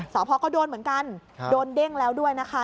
สพก็โดนเหมือนกันโดนเด้งแล้วด้วยนะคะ